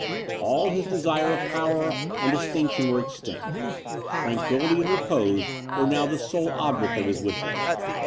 All his desire of power and distinction were extinct: tranquillity and repose were now the sole object of his wishes.